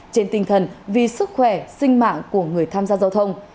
trên tinh thần vì sức khỏe sinh mạng của người tham gia giao thông